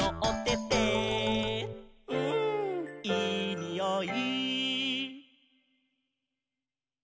「うんいいにおい」